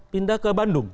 pindah ke bandung